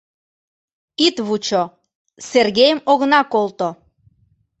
— Ит вучо, Сергейым огына колто.